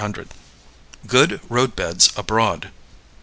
Good Road Beds Abroad.